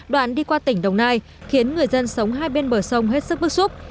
đoạn đi qua tỉnh đồng nai khiến người dân sống hai bên bờ sông hết sức bức xúc